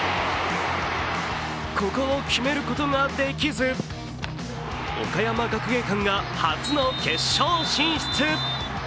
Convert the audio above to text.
ここを決めることができず、岡山学芸館が初の決勝進出。